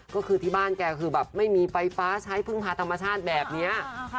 ก็คือที่บ้านแกคือแบบไม่มีไฟฟ้าใช้พึ่งพาธรรมชาติแบบนี้